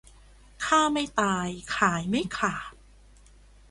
ฆ่าไม่ตายขายไม่ขาด